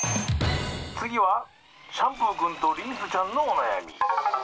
「つぎはシャンプーくんとリンスちゃんのおなやみ」。